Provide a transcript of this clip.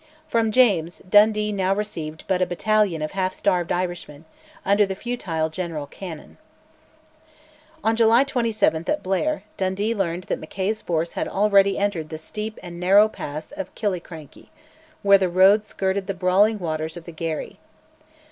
From James Dundee now received but a battalion of half starved Irishmen, under the futile General Cannon. On July 27, at Blair, Dundee learned that Mackay's force had already entered the steep and narrow pass of Killiecrankie, where the road skirted the brawling waters of the Garry.